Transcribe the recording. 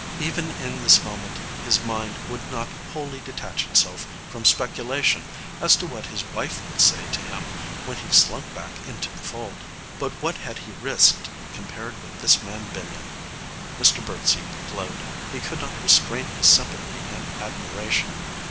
Even in this moment his mind would not wholly detach itself from speculation as to what his wife would say to him when he slunk back into the fold. But what had he risked compared with this man Benyon? Mr Birdsey glowed. He could not restrain his sympathy and admiration.